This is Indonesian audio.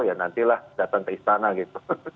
ya nantilah datang ke istana gitu